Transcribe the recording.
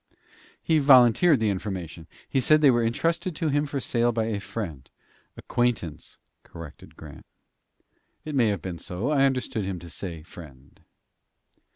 "He volunteered the information. He said they were intrusted to him for sale by a friend." "Acquaintance," corrected Grant. "It may have been so. I understood him to say friend."